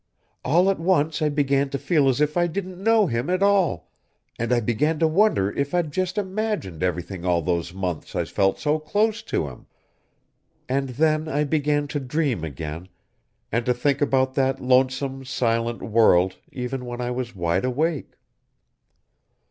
All at once I began to feel as if I didn't know him at all and I began to wonder if I'd just imagined everything all those months I felt so close to him. And then I began to dream again, and to think about that lonesome silent world even when I was wide awake."